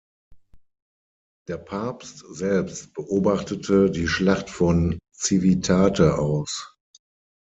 Der Papst selbst beobachtete die Schlacht von Civitate aus.